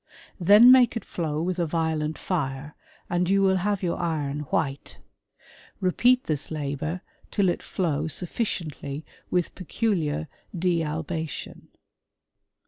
Then make it flow with a violent fire, and you will have •your iron white.. Repeat this labour till it flow suffir ciently with peculiar dealbation.